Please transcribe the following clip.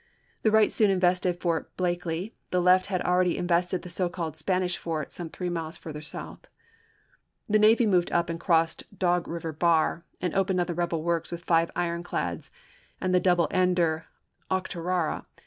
The right soon invested Fort Blakely ; the left had already invested the so called Spanish Fort some three miles further south. The navy moved up and crossed Dog River Bar and opened on the Rebel works with five ironclads and the double ender Octorara.